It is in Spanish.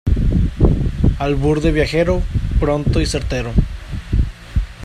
albur de viajero, pronto y certero.